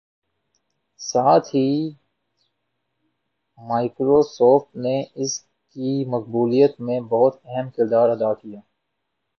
ساتھ ہی مائیکروسوفٹ نے اس کی مقبولیت میں بہت اہم کردار ادا کیا